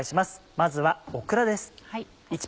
まずはオクラです。